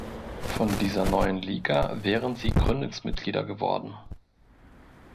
Von dieser neuen Liga wären sie Gründungsmitglieder geworden.